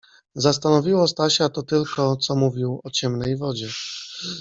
Zastanowiło Stasia to tylko, co mówił o „Ciemnej Wodzie".